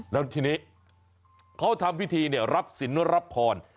แล้วทีนี้เขาทำพิธีรับศิลป์รับพร